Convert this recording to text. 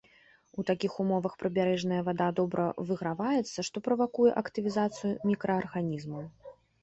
У такіх умовах прыбярэжная вада добра выграваецца, што правакуе актывізацыю мікраарганізмаў.